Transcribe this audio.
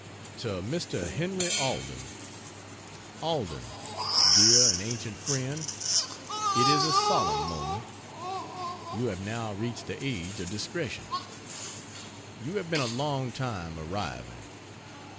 To Mr. Henry Alden: ALDEN, dear and ancient friend it is a solemn moment. You have now reached the age of discretion. You have been a long time arriving.